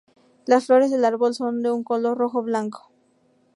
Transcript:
Las flores en el árbol son de un color rojo-blanco.